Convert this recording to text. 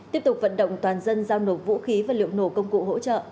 tiếp tục vận động toàn dân giao nộp vũ khí và liệu nổ công cụ hỗ trợ